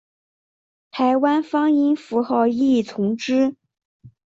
台湾方音符号亦从之。